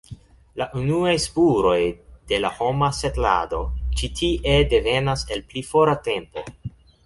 La unuaj spuroj de la homa setlado ĉi tie devenas el pli fora tempo.